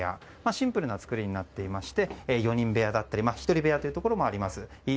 シンプルな作りになっていまして４人部屋だったり１人部屋というところもあります。